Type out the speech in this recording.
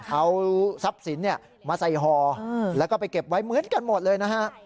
เอาทรัพย์สินมาใส่ห่อแล้วก็ไปเก็บไว้เหมือนกันหมดเลยนะฮะ